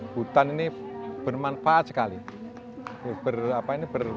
hutan ini bermanfaat sekali